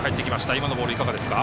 今のボールいかがですか。